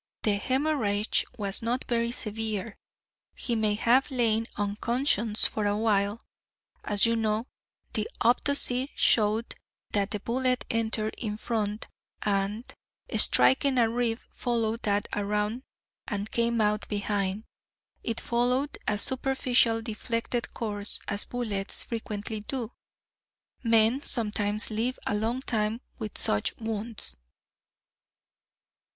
The hemorrhage was not very severe. He may have lain unconscious for a while. As you know, the autopsy showed that the bullet entered in front and, striking a rib, followed that around and came out behind. It followed a superficial deflected course, as bullets frequently do. Men sometimes live a long time with such wounds."